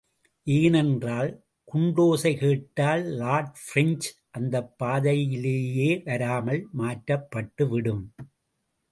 ஏனென்றால் குண்டோசைகேட்டால் Lord French அந்தப்பாதையிலேயே வராமல் மாற்றப்பட்டுவிடும்.